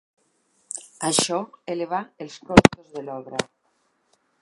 Això elevà els costos de l'obra.